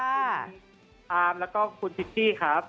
อาร์มแล้วก็คุณพิษที่ครับ